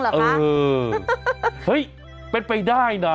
และเป็นอะไร